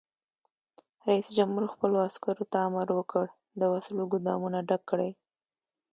رئیس جمهور خپلو عسکرو ته امر وکړ؛ د وسلو ګودامونه ډک کړئ!